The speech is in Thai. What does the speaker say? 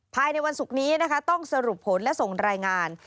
ภายในวันศุกร์นี้นะคะต้องสรุปผลและส่งรายงาน